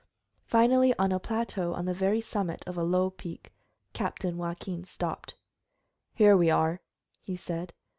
Finally, on a plateau on the very summit of a low peak, Captain Joaquin stopped. "Here we are," he said.